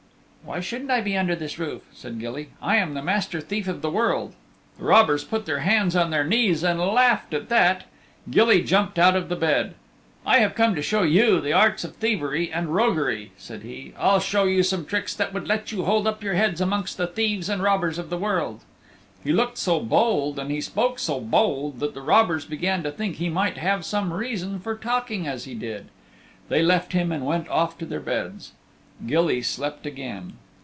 "Why shouldn't I be under this roof?" said Gilly. "I am the Master Thief of the World." The robbers put their hands on their knees and laughed at that. Gilly jumped out of the bed. "I have come to show you the arts of thievery and roguery," said he. "I'll show you some tricks that will let you hold up your heads amongst the thieves and robbers of the world." He looked so bold and he spoke so bold that the robbers began to think he might have some reason for talking as he did. They left him and went off to their beds. Gilly slept again.